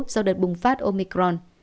sau đợt bùng phát omicron